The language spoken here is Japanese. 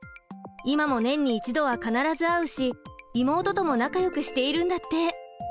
今も年に１度は必ず会うし妹とも仲良くしているんだって。